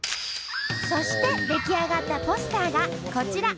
そして出来上がったポスターがこちら。